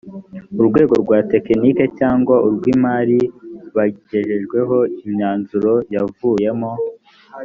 urwego rwa tekiniki cyangwa urw’imari bagejejweho imyanzuro yavuyemo